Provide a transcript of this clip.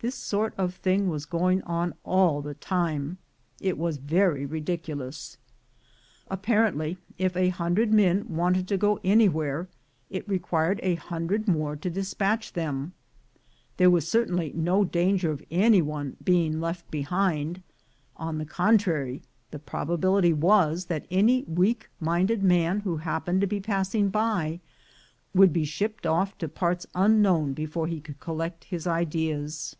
This sort of thing was going on all the time. It was very ridiculous. Apparently, if a hundred men wanted to go anywhere, it required a hundred more to despatch them. There was certainly no danger of any one being left behind ; on the contrary, the probability was, that any weak minded man who hap pened to be passing by, would be shipped off to parts unknown before he could collect his ideas.